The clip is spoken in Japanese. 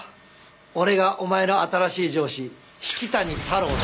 俺がお前の新しい上司引谷太郎だ。